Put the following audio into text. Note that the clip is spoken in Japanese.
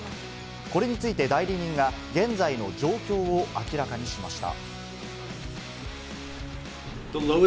これについて代理人が現在の状況を明らかにしました。